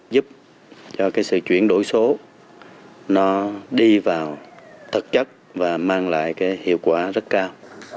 giúp cho cái sự chuyển đổi số nó đi vào thực chất và mang lại cái hiệu quả rất cao